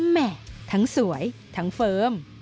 แหม่ทั้งสวยทั้งเฟิร์ม